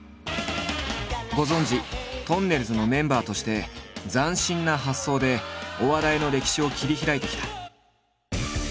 ご存じとんねるずのメンバーとして斬新な発想でお笑いの歴史を切り開いてきた。